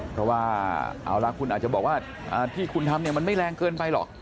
เพราะว่าเอาล่ะคุณอาจจะบอกว่าที่คุณทำมันไม่แรงเกินไปหรอก